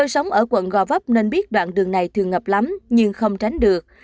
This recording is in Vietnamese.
sống ở quận gò vấp nên biết đoạn đường này thường ngập lắm nhưng không tránh được